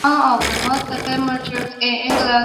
冲绳县的县名取自于冲绳本岛。